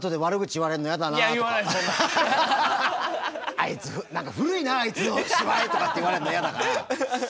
「あいつ何か古いなあいつの芝居」とかって言われんの嫌だから。